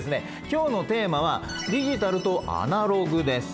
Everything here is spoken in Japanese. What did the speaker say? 今日のテーマは「ディジタルとアナログ」です。